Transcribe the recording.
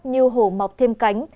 như hồ mọc thêm cánh